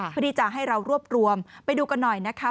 เพื่อที่จะให้เรารวบรวมไปดูกันหน่อยนะคะ